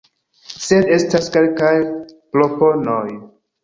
Sed estas kelkaj proponoj;